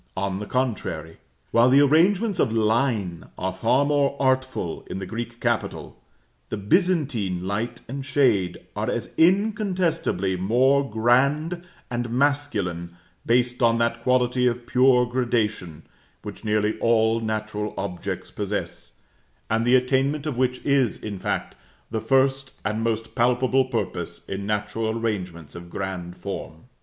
On the contrary, while the arrangements of line are far more artful in the Greek capital, the Byzantine light and shade are as incontestably more grand and masculine, based on that quality of pure gradation, which nearly all natural objects possess, and the attainment of which is, in fact, the first and most palpable purpose in natural arrangements of grand form.